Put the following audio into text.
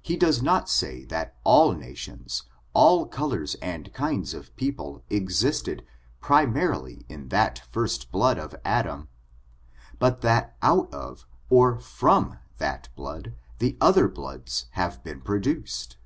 He does not say tliat all na tions, all colors and kinds of people existed primarily in that first blood of Adam, but that out of, or fi i^n^ that blood the other bloods have been produced.